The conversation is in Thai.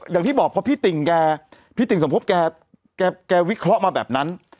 อย่างที่บอกเพราะพี่ติ่งแกพี่ติ่งสมภพแกวิเคราะห์มาแบบนั้น